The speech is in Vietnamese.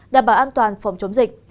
đảm bảo an toàn phòng chống dịch